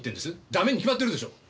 駄目に決まってるでしょう。